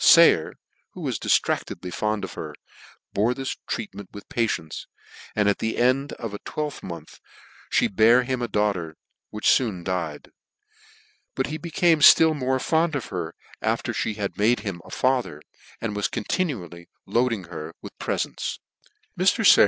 Sayer, who was dirtracledley fond of her, bore this treat ment with patience j and at the end of a twelve month me bare him a daughter, which foon died : but hr became (till more fond of her after (he had made 151 NEW NEWGATE CALENDAR made him a father, and was continually loading her with prefents ; Mr. Sayer.